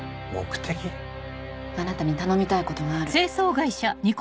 あなたに頼みたいことがある。